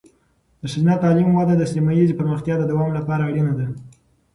د ښځینه تعلیم وده د سیمه ایزې پرمختیا د دوام لپاره اړینه ده.